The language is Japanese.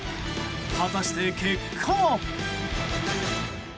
果たして、結果は。